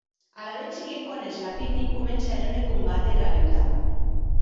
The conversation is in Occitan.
Alavetz siguec quan es lapiti comencèren eth combat e era luta.